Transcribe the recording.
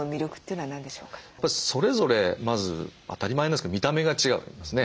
それぞれまず当たり前ですけど見た目が違うんですね。